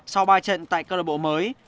sau ba trận tại club mới